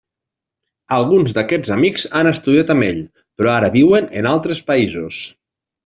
Alguns d'aquests amics han estudiat amb ell, però ara viuen en altres països.